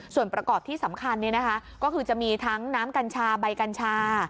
ส่วนประกอบที่สำคัญก็คือจะมีทั้งน้ำกัญชาใบกัญชา